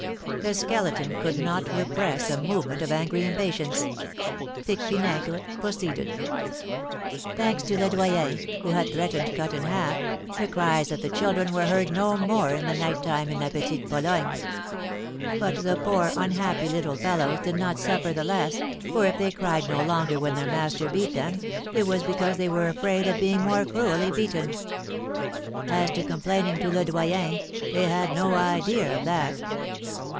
The Skeleton could not repress a movement of angry impatience. Pique Vinaigre proceeded: "Thanks to Le Doyen, who had threatened Cut in Half, the cries of the children were heard no more in the night time in La Petite Pologne; but the poor, unhappy little fellows did not suffer the less, for if they cried no longer when their master beat them, it was because they were afraid of being more cruelly beaten. As to complaining to Le Doyen, they had no idea of that.